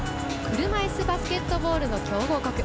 車いすバスケットボールの強豪国。